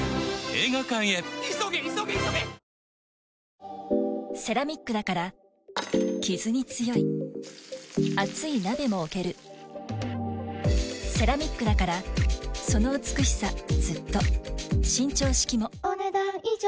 損保ジャパンセラミックだからキズに強い熱い鍋も置けるセラミックだからその美しさずっと伸長式もお、ねだん以上。